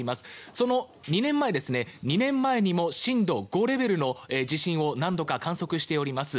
その２年前ですね２年前にも震度５レベルの地震を何度か観測しております。